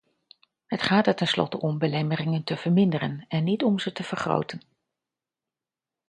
Het gaat er tenslotte om belemmeringen te verminderen en niet om ze te vergroten.